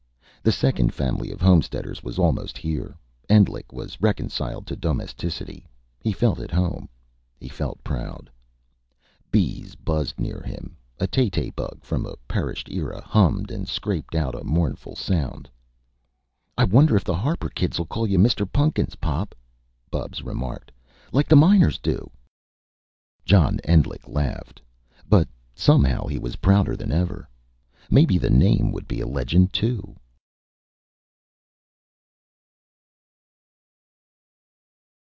The second family of homesteaders was almost here. Endlich was reconciled to domesticity. He felt at home; he felt proud. Bees buzzed near him. A tay tay bug from a perished era, hummed and scraped out a mournful sound. "I wonder if the Harper kids'll call you Mr. Pun'kins, Pop," Bubs remarked. "Like the miners still do." John Endlich laughed. But somehow he was prouder than ever. Maybe the name would be a legend, too.